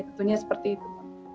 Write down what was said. tentunya seperti itu